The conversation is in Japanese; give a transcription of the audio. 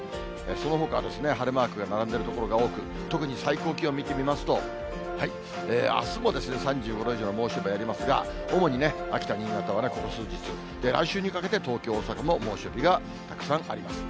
そのほかは晴れマークが並んでいる所が多く、特に最高気温見てみますと、あすも３５度以上の猛暑日ありますが、主に秋田、新潟はこの数日、来週にかけて東京、大阪も猛暑日がたくさんあります。